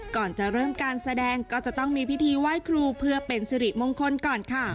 ก่อนจะเริ่มการแสดงก็จะต้องมีพิธีไหว้ครูเพื่อเป็นสิริมงคลก่อนค่ะ